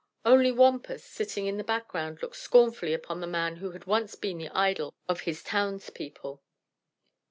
Only Wampus, sitting in the background, looked scornfully upon the man who had once been the idol of his townspeople.